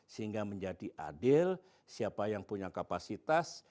sehingga menjadi adil siapa yang punya kapasitas